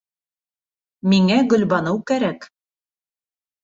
Миңә Гөлбаныу кәрәк!